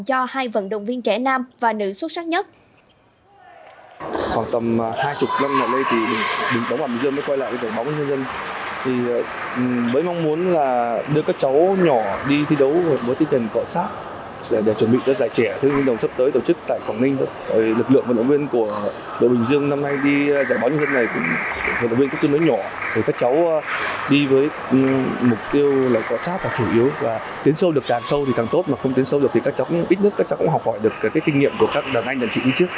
cho hai vận động viên trẻ nam và nữ xuất sắc nhất